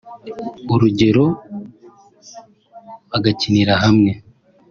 urugero bagakinira hamwe